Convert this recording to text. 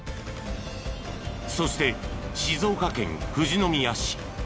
そして静岡県富士宮市。